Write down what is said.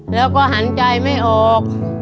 แล้วก็หันใจไม่ออก